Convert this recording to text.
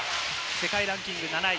世界ランキング７位。